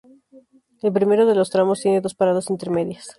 El primero de los tramos tiene dos paradas intermedias.